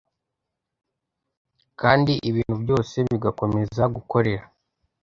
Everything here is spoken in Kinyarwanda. kandi ibintu byose bigakomeza gukorera